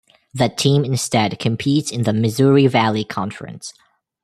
That team instead competes in the Missouri Valley Conference.